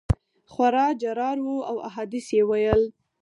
خورا جرار وو او احادیث یې ویل.